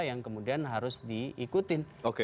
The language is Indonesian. yang kemudian harus diikutin